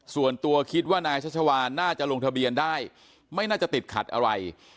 ส่วนตัวคิดว่านายชัชวานน่าจะลงทะเบียนได้ไม่น่าจะติดขัดอะไร